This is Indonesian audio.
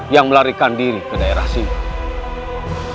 yang melarikan diri ke daerah sini